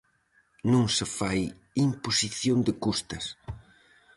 Non se fai imposición de custas.